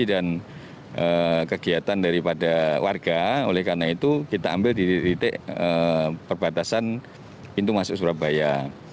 dan kegiatan daripada warga oleh karena itu kita ambil di titik titik perbatasan pintu masuk surabaya